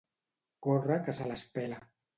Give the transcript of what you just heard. Córrer que se les pela.